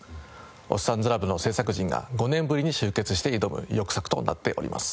『おっさんずラブ』の制作陣が５年ぶりに集結して挑む意欲作となっております。